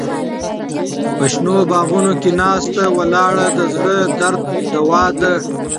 په شنو باغونو کې ناسته ولاړه د زړه درد دوا ده.